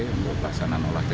untuk pelaksanaan olahraga